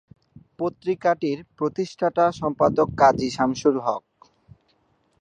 পত্রিকাটির প্রতিষ্ঠাতা সম্পাদক কাজী শামসুল হক।